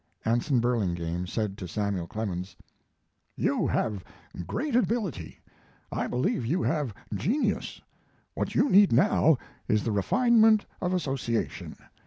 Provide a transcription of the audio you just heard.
Anson Burlingame said to Samuel Clemens: "You have great ability; I believe you have genius. What you need now is the refinement of association.